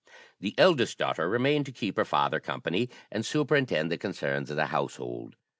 The eldest daughter remained to keep her father company, and superintend the concerns of the household.